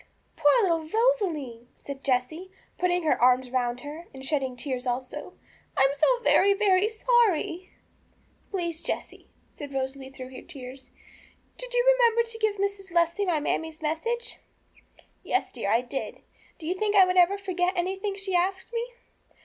'Poor little Rosalie!' said Jessie, putting her arms round her, and shedding tears also. 'I am so very, very sorry!' 'Please, Jessie,' said Rosalie through her tears, 'did you remember to give Mrs. Leslie my mammie's message?' 'Yes, dear, that I did. Do you think I would forget anything she asked me?